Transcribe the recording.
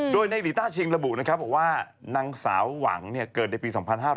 โดยในหลีต้าชิงระบุนะครับบอกว่านางสาวหวังเกิดในปี๒๕๕๙